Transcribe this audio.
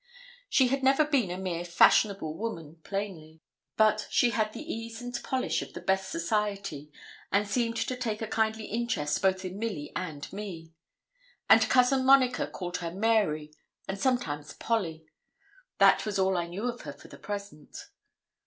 She had never been a mere fashionable woman plainly; but she had the ease and polish of the best society, and seemed to take a kindly interest both in Milly and me; and Cousin Monica called her Mary, and sometimes Polly. That was all I knew of her for the present.